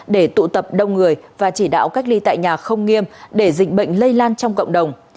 để tụ tập đông người và chỉ đạo cách ly tại nhà không nghiêm để dịch bệnh lây lan trong cộng đồng